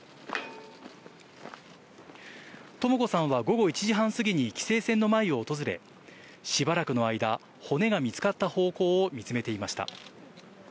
とも子さんは午後１時半過ぎに規制線の前を訪れ、しばらくの間、骨が見つかった方向を見つめていました。